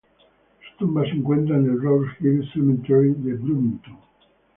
Su tumba se encuentra en el Rose Hill Cemetery de Bloomington.